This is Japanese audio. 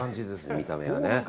見た目は。